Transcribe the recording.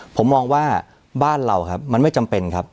ผมมองว่าบ้านเราครับมันไม่จำเป็นครับ